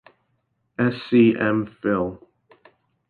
Sc., M. Phil.